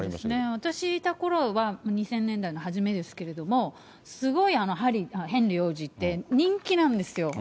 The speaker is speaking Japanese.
私いたころは２０００年代の初めですけど、すごいヘンリー王子って人気なんですよ。